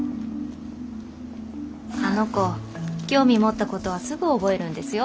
あの子興味持ったことはすぐ覚えるんですよ。